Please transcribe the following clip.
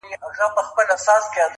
o راستي زوال نه لري!